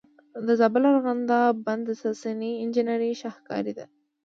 د زابل ارغنداب بند د ساساني انجینرۍ شاهکار دی